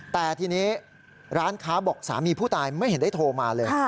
แต่ทีนี้ร้านค้าบอกสามีผู้ตายไม่เห็นได้โทรมาเลย